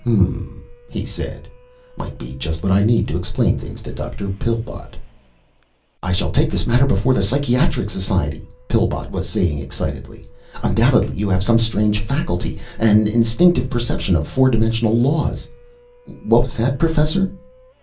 "H m m," he said. "Might be just what I need to explain things to Dr. Pillbot." "I shall take this matter before the Psychiatric Society," Pillbot was saying excitedly. "Undoubtedly you have some strange faculty an instinctive perception of four dimensional laws ... what was that, Professor?"